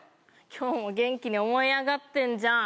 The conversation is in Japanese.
今日も元気に思い上がってんじゃん